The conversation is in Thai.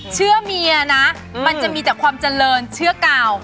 เชื่อเมียนะมันจะมีแต่ความเจริญเชื่อกาว